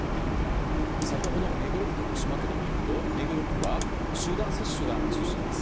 先ほどの目黒区と豊島区で見ると目黒区は集団接種が中心です。